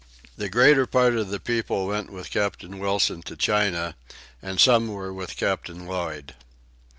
The greater part of the people went with Captain Wilson to China, and some were with Captain Lloyd.